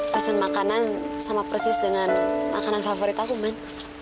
pesan makanan sama persis dengan makanan favorit aku kan